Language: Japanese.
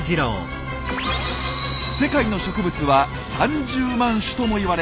世界の植物は３０万種ともいわれ